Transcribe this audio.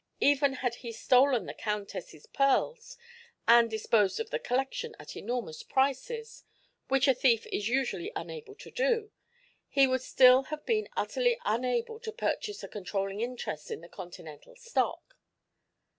Even had he stolen the Countess' pearls and disposed of the collection at enormous prices which a thief is usually unable to do he would still have been utterly unable to purchase a controlling interest in the Continental stock."